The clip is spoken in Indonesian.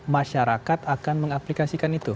masyarakat akan mengaplikasikan itu